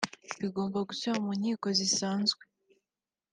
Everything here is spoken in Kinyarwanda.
bigomba gusubira mu nkiko zisanzwe